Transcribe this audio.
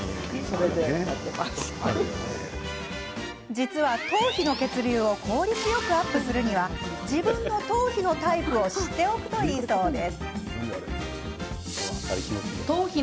実は、頭皮の血流を効率よくアップするには自分の頭皮のタイプを知っておくといいそうです。